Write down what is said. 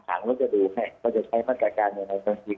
สารเขาจะดูให้เขาจะใช้ประกอบการฆ่าในในสถิติ